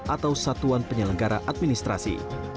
atau satuan penyelenggara administrasi